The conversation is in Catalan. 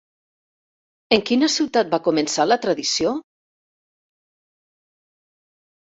En quina ciutat va començar la tradició?